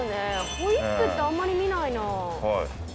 ホイップってあんまり見ないな。